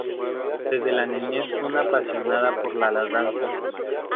Desde la niñez fue una apasionada por la danza.